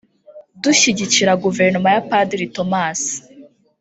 Dushyigikira Guverinoma ya Padiri Thomas